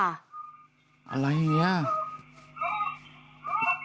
อะไรเนี่ย